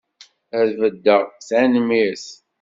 Ad beddeɣ, tanemmirt!